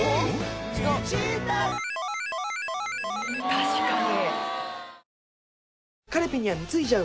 確かに。